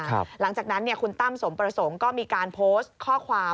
หลังจากนั้นคุณตั้มสมประสงค์ก็มีการโพสต์ข้อความ